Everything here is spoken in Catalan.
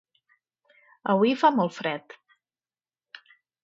Avui fa molt fred.